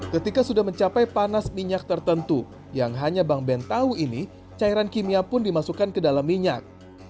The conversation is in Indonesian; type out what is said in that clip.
ketika sudah mencapai panas minyak tertentu yang hanya bank ben tahu ini cairan kimia pun dimasukkan ke dalam minyak